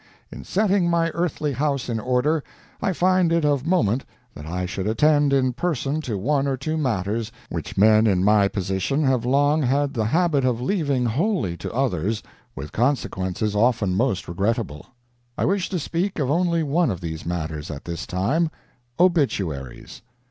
In setting my earthly house in order I find it of moment that I should attend in person to one or two matters which men in my position have long had the habit of leaving wholly to others, with consequences often most regrettable. I wish to speak of only one of these matters at this time: Obituaries.